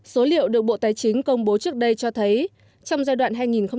số liệu được bộ tài chính công bố trước đây cho thấy trong giai đoạn hai nghìn một mươi hai hai nghìn một mươi sáu